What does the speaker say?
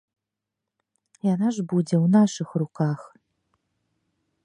Яна ж будзе ў нашых руках.